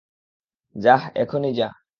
যাহ্, এখনই যা!